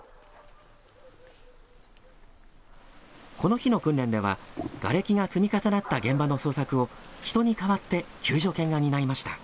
この日の訓練では、がれきが積み重なった現場の捜索を人に代わって救助犬が担いました。